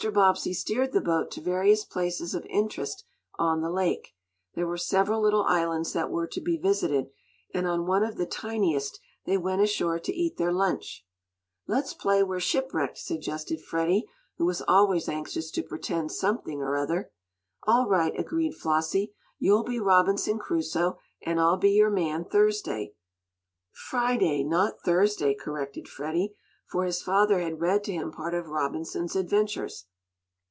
Bobbsey steered the boat to various places of interest on the lake. There were several little islands that were to be visited, and on one of the tiniest, they went ashore to eat their lunch. "Let's play we're shipwrecked," suggested Freddie, who was always anxious to "pretend" something or other. "All right," agreed Flossie. "You'll be Robinson Crusoe, and I'll be your man Thursday." "Friday not Thursday," corrected Freddie, for his father had read to him part of Robinson's adventures.